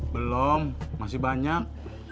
belom masih banyak